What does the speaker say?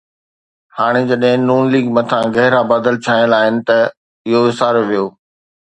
هاڻي جڏهن نون ليگ مٿان گہرا بادل ڇانيل آهن ته اهو وساريو ويو